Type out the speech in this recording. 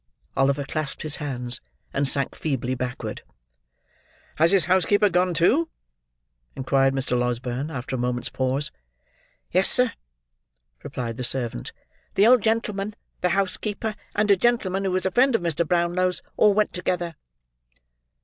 Oliver clasped his hands, and sank feebly backward. "Has his housekeeper gone too?" inquired Mr. Losberne, after a moment's pause. "Yes, sir"; replied the servant. "The old gentleman, the housekeeper, and a gentleman who was a friend of Mr. Brownlow's, all went together."